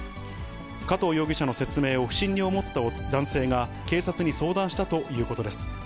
加藤容疑者の説明を不審に思った男性が、警察に相談したということです。